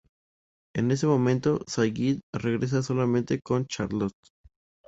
En ese momento, Sayid regresa solamente con Charlotte.